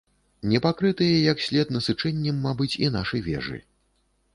Не пакрытыя як след насычэннем, мабыць, і нашы вежы.